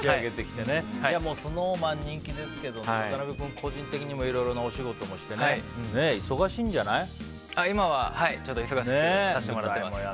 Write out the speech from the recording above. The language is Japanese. ＳｎｏｗＭａｎ人気ですけど渡辺君、個人的にもいろいろなお仕事をして今は忙しくさせていただいています。